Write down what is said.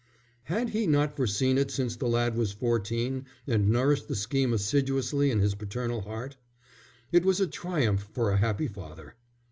Had he not foreseen it since the lad was fourteen, and nourished the scheme assiduously in his paternal heart? It was a triumph for a happy father.